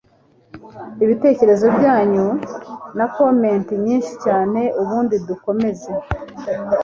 Ibitekerezo byanyu na comments nyinshi cyane ubundi dukomeze